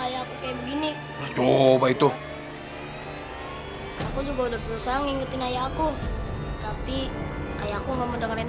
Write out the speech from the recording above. ayahku kayak gini coba itu aku juga udah berusaha ngingetin ayahku tapi ayahku nggak mau dengerin